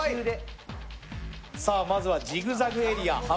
さあ、まずはジグザグエリア。